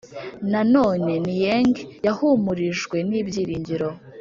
Nanone Nieng yahumurijwe n ibyiringiro